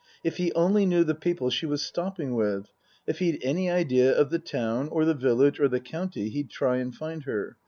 If he only knew the people she was stopping with if he'd any idea of the town or the village or the county, he'd try and find her.